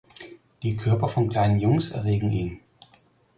Die Körper von kleinen Jungs erregen ihn.